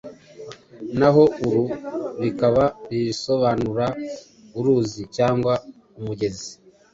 naho aru rikaba risobanura uruzi cyangwa umugezi .